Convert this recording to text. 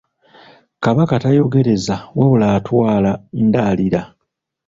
Kabaka tayogereza wabula atwala ndaalira.